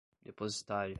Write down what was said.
depositário